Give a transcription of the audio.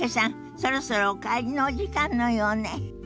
そろそろお帰りのお時間のようね。